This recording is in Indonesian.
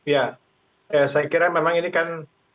ya saya kira memang ini kan